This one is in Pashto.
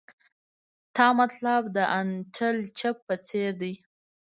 تا مطلب د انټیل چپ په څیر دی